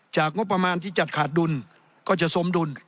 งบประมาณที่จัดขาดดุลก็จะสมดุล